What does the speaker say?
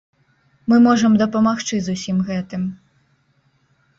Мы можам дапамагчы з усім гэтым.